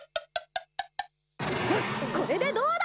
よしこれでどうだ？